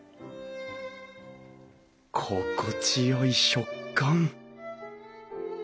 心地よい食感！